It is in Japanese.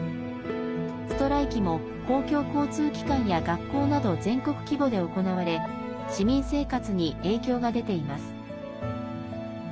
ストライキも公共交通機関や学校など全国規模で行われ市民生活に影響が出ています。